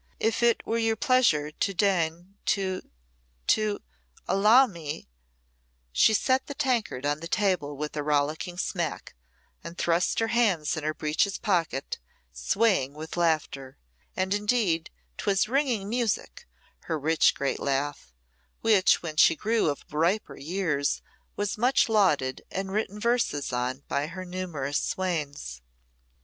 If it were your pleasure to deign to to allow me " She set the tankard on the table with a rollicking smack, and thrust her hands in her breeches pockets, swaying with laughter; and, indeed, 'twas ringing music, her rich great laugh, which, when she grew of riper years, was much lauded and written verses on by her numerous swains.